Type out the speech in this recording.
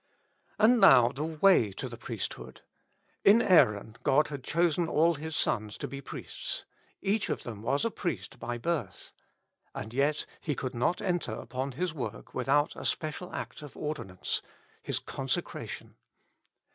And now ^/le way to the priesthood. In Aaron God had chosen all his sons to be priests : each of them was a priest by birth. And yet he could not enter upon his work without a special act of ordinance — his consecration.